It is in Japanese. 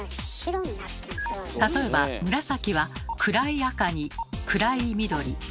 例えば紫は暗い赤に暗い緑暗い青。